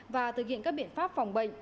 và thực hiện các biện pháp phòng bệnh